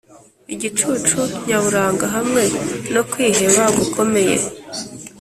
igicucu nyaburanga hamwe no kwiheba gukomeye;